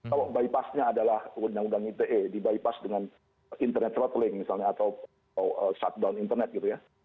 kalau bypassnya adalah uang uang ite dibipass dengan internet throttling misalnya atau shutdown internet gitu ya